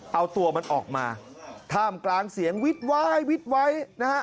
เอาตัวมันออกมาท่ามกลางเสียงวิดวายวิดไว้นะฮะ